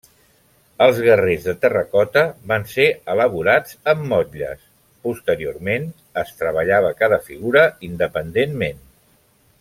Els guerrers de terracota van ser elaborats amb motlles; posteriorment, es treballava cada figura independentment.